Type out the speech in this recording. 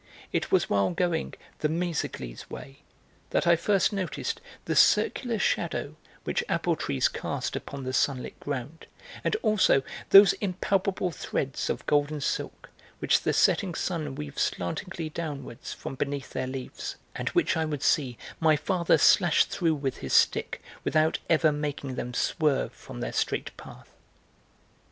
It was while going the 'Méséglise way' that I first noticed the circular shadow which apple trees cast upon the sunlit ground, and also those impalpable threads of golden silk which the setting sun weaves slantingly downwards from beneath their leaves, and which I would see my father slash through with his stick without ever making them swerve from their straight path.